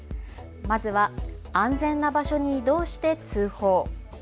まずは安全な場所に移動して通報。